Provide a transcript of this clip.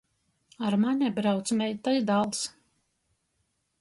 Ar mani brauc meita i dāls.